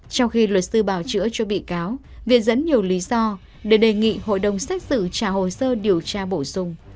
trong khi luật sư bảo chữa cho bị cáo viện dẫn nhiều lý do để đề nghị hội đồng xét xử trả hồ sơ điều tra bổ sung